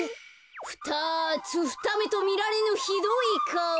ふたつふためとみられぬひどいかお。